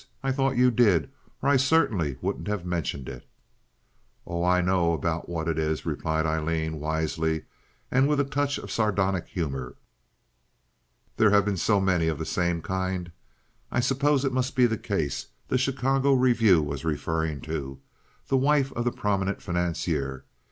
"I thought you did, or I certainly wouldn't have mentioned it." "Oh, I know about what it is," replied Aileen, wisely, and with a touch of sardonic humor. "There have been so many or the same kind. I suppose it must be the case the Chicago Review was referring to—the wife of the prominent financier.